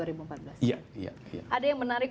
ada yang menarik